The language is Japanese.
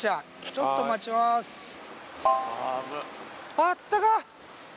あったかい！